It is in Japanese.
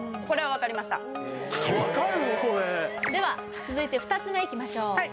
これでは続いて２つ目いきましょう